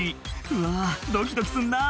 「うわドキドキするな」